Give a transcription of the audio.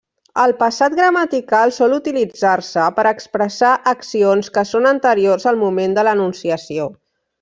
El passat gramatical sol utilitzar-se per expressar accions que són anteriors al moment de l'enunciació.